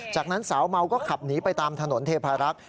จากนั้นสาวเมาก็ขับหนีไปตามถนนเทพารักษ์